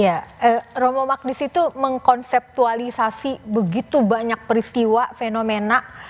ya romo magdis itu mengkonseptualisasi begitu banyak peristiwa fenomena